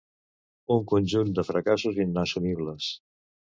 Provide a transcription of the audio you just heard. un conjunt de fracassos inassumibles